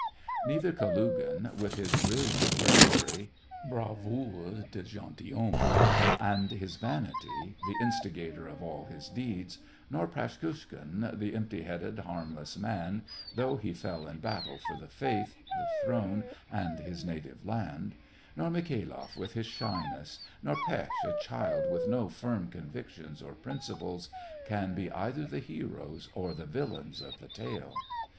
Neither Kalugin, with his brilliant bravery — bravoure de gentilhomme — and his vanity, the instigator of all his deeds ; nor Praskukhin, the empty headed, harmless man, though he fell in battle for the faith, the throne, and his native land ; nor MikhaYloff, with his shyness ; nor Pesth, a child with no firm convictions or prin 122 SEVASTOPOL IN MAY. ciples, can be either the heroes or the villains of the tale.